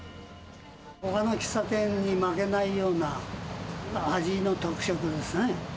ほかの喫茶店に負けないような味の特色ですね。